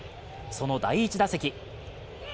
その第１打席。